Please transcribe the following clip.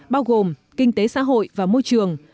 bao gồm kinh tế xã hội và môi trường